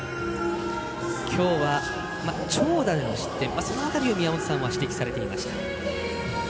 きょうは長打での失点その辺りを宮本さんは指摘されていました。